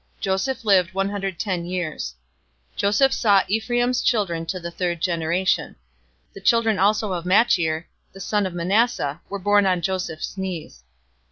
Joseph lived one hundred ten years. 050:023 Joseph saw Ephraim's children to the third generation. The children also of Machir, the son of Manasseh, were born on Joseph's knees.